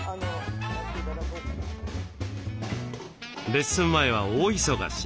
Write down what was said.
レッスン前は大忙し。